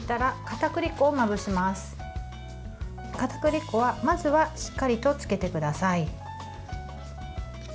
かたくり粉は、まずはしっかりとつけてください。